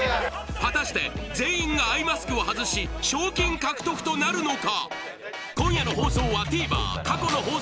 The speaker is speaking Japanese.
果たして全員がアイマスクを外し賞金獲得となるのか？